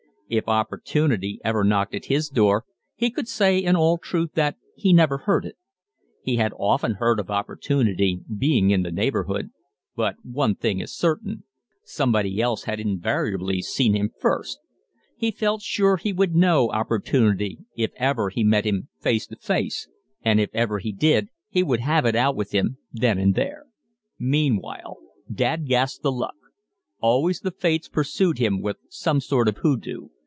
If Opportunity ever knocked at his door he could say in all truth that he never heard it. He had often heard of Opportunity being in the neighborhood, but one thing is certain someone else had invariably seen him first. He felt sure he would know Opportunity if ever he met him face to face, and if ever he did he would have it out with him then and there. Meanwhile dadgast the luck! always the fates pursued him with some sort of hoodoo.